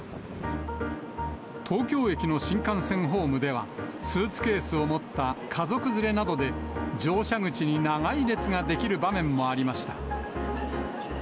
東京駅の新幹線ホームでは、スーツケースを持った家族連れなどで、乗車口に長い列が出来る場面もありました。